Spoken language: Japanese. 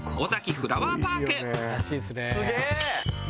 すげえ！